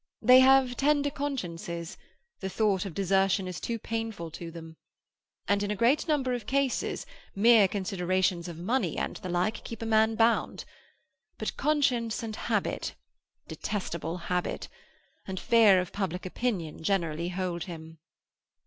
They have tender consciences; the thought of desertion is too painful to them. And in a great number of cases, mere considerations of money and the like keep a man bound. But conscience and habit—detestable habit—and fear of public opinion generally hold him."